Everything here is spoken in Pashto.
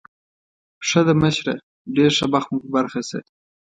ښه ده، مشره، ډېر ښه بخت مو په برخه شه.